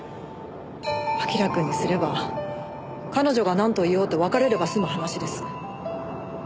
明君にすれば彼女がなんと言おうと別れれば済む話です。